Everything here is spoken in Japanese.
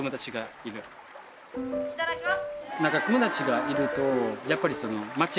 いただきます。